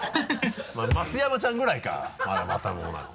松山ちゃんぐらいかまだまともなの。